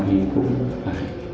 thì cũng phải